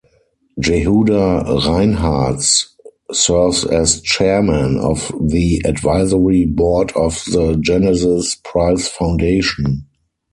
Jehuda Reinharz serves as chairman of the Advisory Board of the Genesis Prize Foundation.